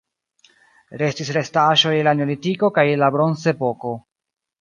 Restis restaĵoj el la neolitiko kaj el la bronzepoko.